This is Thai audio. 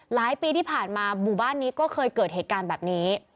หลายปีที่ผ่านมาหมู่บ้านนี้ก็เคยเกิดเหตุการณ์แบบนี้